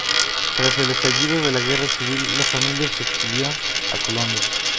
Tras el estallido de la Guerra Civil, la familia se exilió a Colombia.